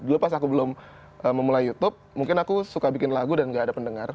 dulu pas aku belum memulai youtube mungkin aku suka bikin lagu dan gak ada pendengar